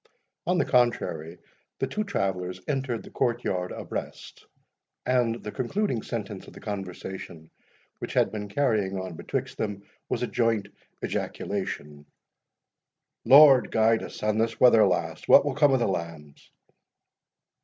On the contrary, the two travellers entered the court yard abreast, and the concluding sentence of the conversation which had been carrying on betwixt them was a joint ejaculation, "Lord guide us, an this weather last, what will come o' the lambs!"